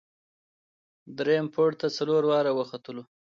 درییم پوړ ته څلور واړه ختلو.